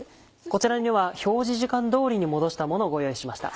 こちらには表示時間通りに戻したものをご用意しました。